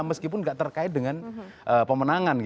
meskipun tidak terkait dengan pemenangan